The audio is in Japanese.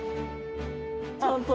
ちゃんと。